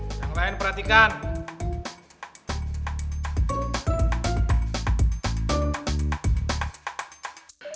makanya jangan berkicau terus